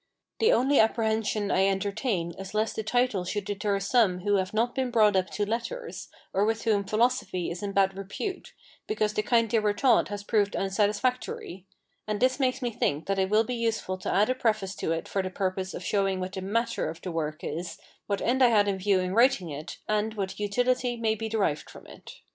The only apprehension I entertain is lest the title should deter some who have not been brought up to letters, or with whom philosophy is in bad repute, because the kind they were taught has proved unsatisfactory; and this makes me think that it will be useful to add a preface to it for the purpose of showing what the MATTER of the work is, what END I had in view in writing it, and what UTILITY may be derived from it.